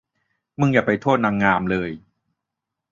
มึงอย่าไปโทษนางงามเลย